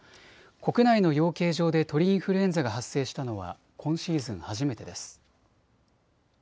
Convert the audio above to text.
国内の養鶏場で鳥インフルエンザが発生したのは今シーズン初めてです。